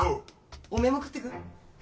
おめえも食ってく？